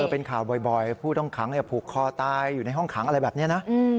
เป็นข่าวบ่อยผู้ต้องขังผูกคอตายอยู่ในห้องขังอะไรแบบนี้นะ